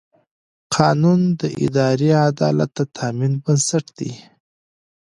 قانون د اداري عدالت د تامین بنسټ دی.